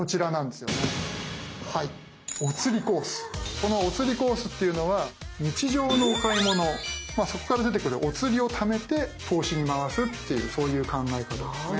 この「おつりコース」っていうのは日常のお買い物まあそこから出てくるおつりをためて投資に回すっていうそういう考え方なんですね。